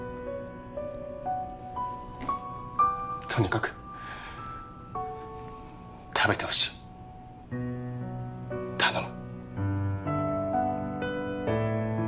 とにかく食べてほしい頼む